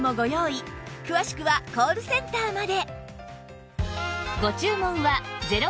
詳しくはコールセンターまで